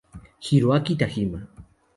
Hiroaki Tajima